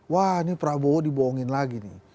wah ini prabowo dibohongin lagi nih